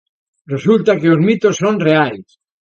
Resulta que os mitos son reais.